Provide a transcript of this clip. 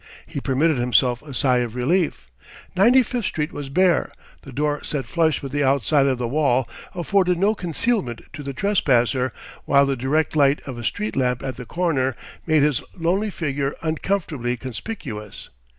He permitted himself a sigh of relief; Ninety fifth Street was bare, the door set flush with the outside of the wall afforded no concealment to the trespasser, while the direct light of a street lamp at the corner made his lonely figure uncomfortably conspicuous.